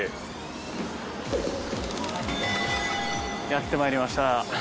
やって参りました。